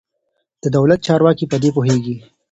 د دولت چارواکي په دې پوهېږي.